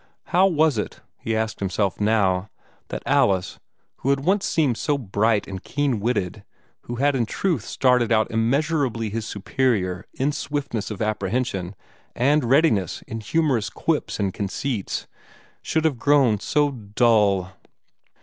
How was it, he asked himself now, that Alice, who had once seemed so bright and keen witted, who had in truth started out immeasurably his superior in swiftness of apprehension and readiness in humorous quips and conceits, should have grown so dull?